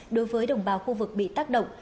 đối với đồng bào khu vực bị tác động